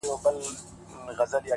په سپورږمۍ كي زمــــا پــيــــر دى.!